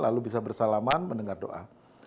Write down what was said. lalu bisa bersalaman mendengar doa